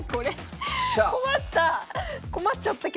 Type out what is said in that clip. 困った！